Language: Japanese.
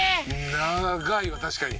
「長いよ確かに」